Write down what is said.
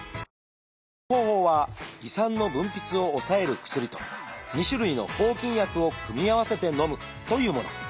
その方法は胃酸の分泌を抑える薬と２種類の抗菌薬を組み合わせてのむというもの。